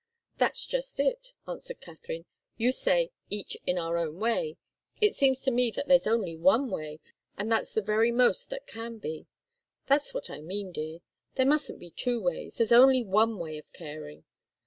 "That's just it," answered Katharine. "You say, each in our own way it seems to me that there's only one way and that's the very most that can be. That's what I mean, dear. There mustn't be two ways. There's only one way of caring."